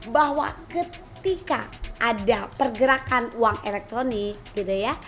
bahwa ketika ada pergerakan uang elektronik gitu ya